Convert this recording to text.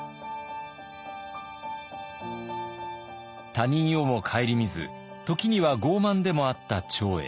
他人をも顧みず時には傲慢でもあった長英。